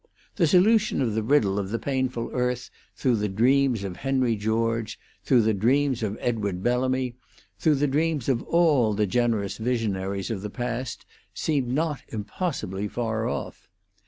The solution of the riddle of the painful earth through the dreams of Henry George, through the dreams of Edward Bellamy, through the dreams of all the generous visionaries of the past, seemed not impossibly far off.